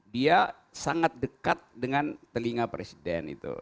dia sangat dekat dengan telinga presiden itu